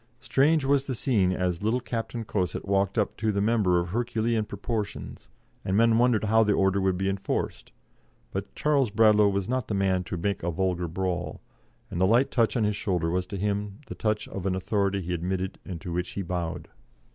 Strange was the scene as little Captain Cosset walked up to the member of Herculean proportions, and men wondered how the order would be enforced; but Charles Bradlaugh was not the man to make a vulgar brawl, and the light touch on his shoulder was to him the touch of an authority he admitted and to which he bowed.